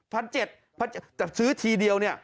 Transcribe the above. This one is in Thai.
จัดซื้อทีเดียวเนี่ย